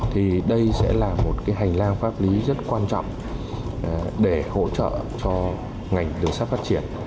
thì đây sẽ là một cái hành lang pháp lý rất quan trọng để hỗ trợ cho ngành đường sắt phát triển